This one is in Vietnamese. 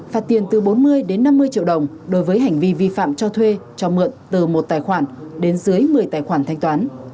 phạt tiền từ bốn mươi đến năm mươi triệu đồng đối với hành vi vi phạm cho thuê cho mượn từ một tài khoản đến dưới một mươi tài khoản thanh toán